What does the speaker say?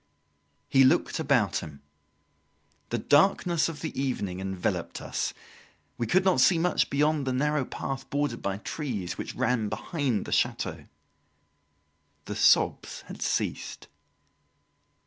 He looked about him. The darkness of the evening enveloped us; we could not see much beyond the narrow path bordered by trees, which ran behind the chateau. The sobs had ceased.